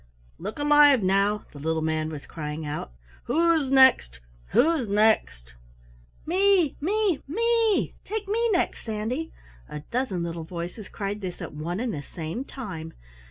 "Look alive now!" the little man was crying out. "Who's next, who's next?" "Me, me, me take me next, Sandy!" A dozen little voices cried this at one and the same time.